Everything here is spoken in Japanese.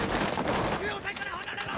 要塞から離れろ！！